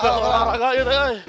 kok reva malas malasan gitu sih